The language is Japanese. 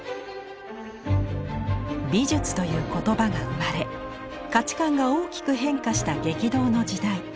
「美術」という言葉が生まれ価値観が大きく変化した激動の時代。